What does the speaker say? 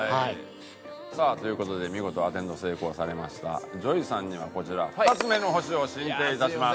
さあという事で見事アテンド成功されましたＪＯＹさんにはこちら２つ目の星を進呈いたします。